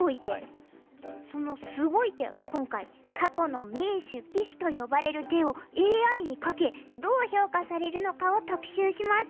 そのすごい手を今回過去の名手・鬼手と呼ばれる手をＡＩにかけどう評価されるのかを特集します。